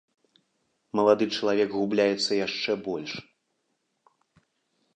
Малады чалавек губляецца яшчэ больш.